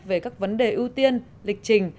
về các vấn đề ưu tiên lịch trình